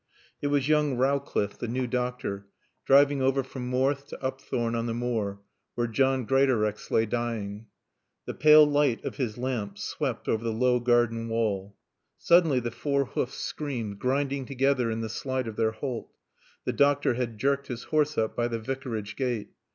It was young Rowcliffe, the new doctor, driving over from Morthe to Upthorne on the Moor, where John Greatorex lay dying. The pale light of his lamps swept over the low garden wall. Suddenly the four hoofs screamed, grinding together in the slide of their halt. The doctor had jerked his horse up by the Vicarage gate.